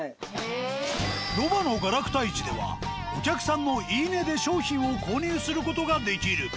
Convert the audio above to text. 「ロバの我楽多市」ではお客さんの言い値で商品を購入する事ができる。